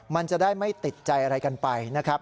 มันจะได้ไม่ติดใจอะไรกันไปนะครับ